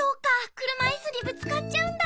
くるまいすにぶつかっちゃうんだ。